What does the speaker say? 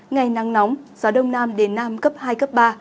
ngày nắng nóng gió đông nam đến nam cấp hai cấp ba